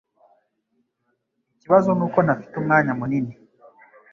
Ikibazo nuko ntafite umwanya munini.